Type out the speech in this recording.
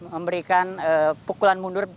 memberikan pukulan mundur